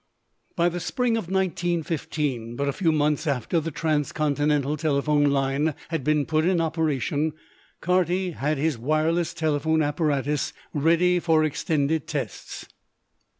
By the spring of 1915, but a few months after the transcontinental telephone line had been put in operation, Carty had his wireless telephone apparatus ready for extended tests.